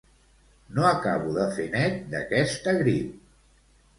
No acabo de fer net d'aquesta grip